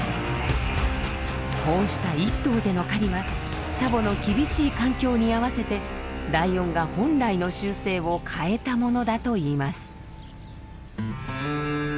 こうした１頭での狩りはツァボの厳しい環境に合わせてライオンが本来の習性を変えたものだといいます。